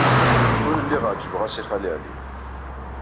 Ur lliɣ ɛejbeɣ-as i Xali Ɛli.